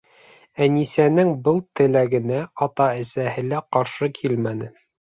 Әнисәнең был теләгенә ата-әсәһе лә ҡаршы килмәне.